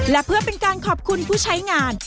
และเพื่อเป็นการขอบคุณผู้ใช้งาน